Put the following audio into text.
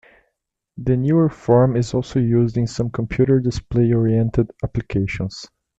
The newer form is also used in some computer-display oriented applications.